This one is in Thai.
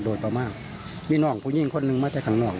โดยประมาณมีน้องผู้หญิงคนหนึ่งมาจากข้างนอก